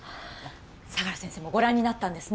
相良先生もご覧になったんですね